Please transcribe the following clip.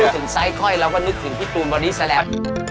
พูดถึงไซซ์ก้อยเราก็นึกถึงที่ตูนบอดี้สแลม